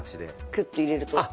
クッて入れると。